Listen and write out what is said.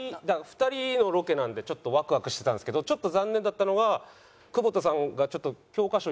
２人のロケなんでちょっとワクワクしてたんですけどちょっと残念だったのが久保田さんがちょっと教科書